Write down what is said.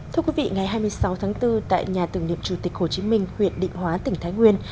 thưa quý vị ngày hai mươi sáu tháng bốn tại nhà tưởng niệm chủ tịch hồ chí minh huyện định hóa tỉnh thái nguyên